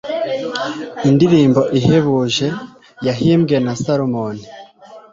indirimbo ihebuje yahimbwe na salomoni